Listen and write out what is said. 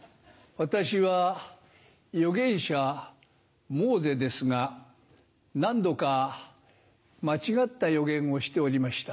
私は予言者モーゼですが何度か間違った予言をしておりました。